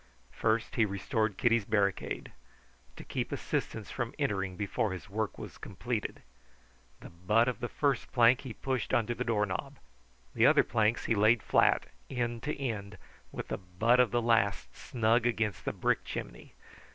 First he restored Kitty's barricade to keep assistance from entering before his work was completed. The butt of the first plank he pushed under the door knob. The other planks he laid flat, end to end, with the butt of the last snug against the brick chimney.